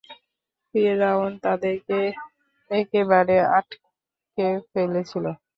ফিরআউন তাদেরকে একেবারে আটকে ফেলেছিল।